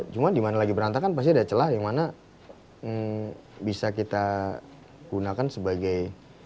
cuma dimana lagi berantakan pasti ada celah yang mana bisa kita gunakan sebagai